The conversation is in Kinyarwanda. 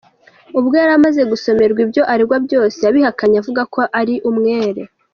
Ubwo yari amaze gusomerwa ibyo aregwa byose yabihakanye, avuga ko ari umwere.